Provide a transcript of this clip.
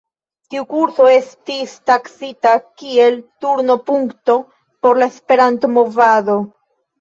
Tiu kurso estis taksita kiel turno-punkto por la Esperanto-movado.